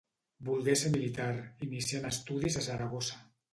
Volgué ser militar, iniciant estudis a Saragossa.